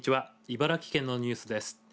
茨城県のニュースです。